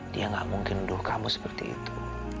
dia gak mungkin nuduh kamu seperti itu